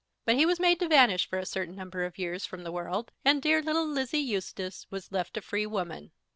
But he was made to vanish for a certain number of years from the world, and dear little Lizzie Eustace was left a free woman.